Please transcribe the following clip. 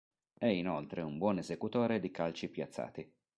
È inoltre un buon esecutore di calci piazzati.